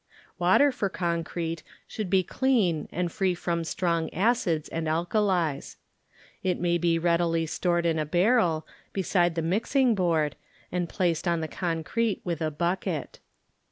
Water for concrete should hi clean and free from strong acids and alkalies. It may be readily stored '.┬╗ a barrel by Google HILLSDALE COUNTY beside the mixing board and placed on the concrete with a bucket.